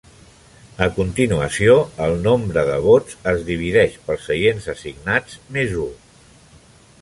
A continuació, el nombre de vots es divideix pels seients assignats "més u".